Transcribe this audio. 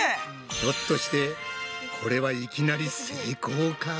ひょっとしてこれはいきなり成功か！？